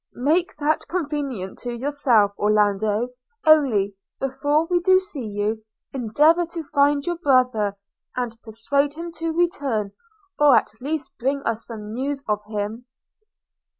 'Make that convenient to yourself, Orlando; only, before we do see you, endeavour to find your brother, and persuade him to return, or at least bring us some news of him.'